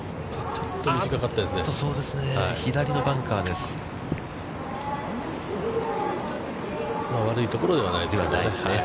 ちょっと短かったですね。